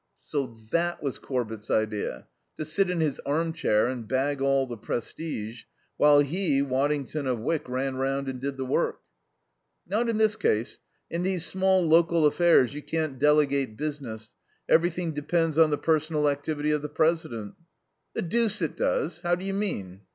So that was Corbett's idea: to sit in his armchair and bag all the prestige, while he, Waddington of Wyck, ran round and did the work. "Not in this case. In these small local affairs you can't delegate business. Everything depends on the personal activity of the president." "The deuce it does. How do you mean?"